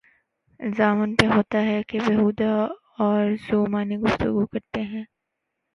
الزام ان پہ ہوتاہے کہ بیہودہ اورذومعنی گفتگو کرتے ہیں۔